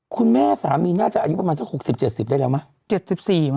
คุณแม่สามีน่าจะอายุประมาณสักหกสิบเจ็ดสิบได้แล้วมั้ยเจ็ดสิบสี่มั้ย